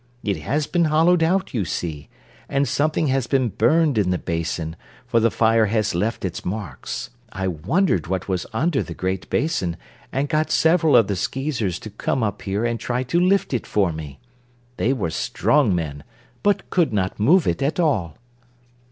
It has been hollowed out, you see, and something has been burned in the basin, for the fire has left its marks. I wondered what was under the great basin and got several of the Skeezers to come up here and try to lift it for me. They were strong men, but could not move it at all."